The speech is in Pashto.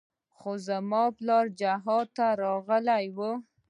خو زما پلار جهاد ته راغلى و.